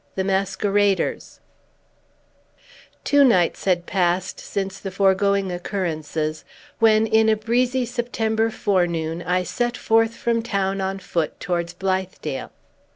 THE MASQUERADERS Two nights had passed since the foregoing occurrences, when, in a breezy September forenoon, I set forth from town, on foot, towards Blithedale.